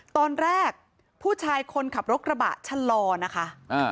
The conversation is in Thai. ตอนแรกผู้ชายคนขับรถกระบะชะลอนะคะ